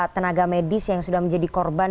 tenaga medis yang sudah menjadi korban